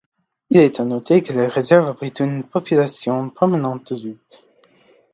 Il est à noter que la réserve abrite une population permanente de loups.